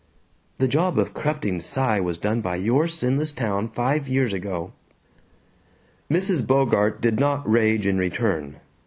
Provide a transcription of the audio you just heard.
"The job of corrupting Cy was done by your sinless town, five years ago!" Mrs. Bogart did not rage in return.